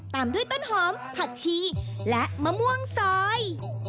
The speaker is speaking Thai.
ตามด้วยต้นหอมผักชีและมะม่วงซอย